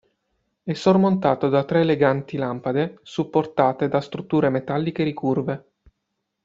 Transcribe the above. È sormontato da tre eleganti lampade supportate da strutture metalliche ricurve.